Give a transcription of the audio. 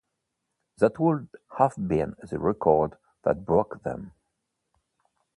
That would have been the record that broke them.